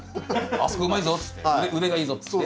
あそこうまいぞっつって腕がいいぞっつって？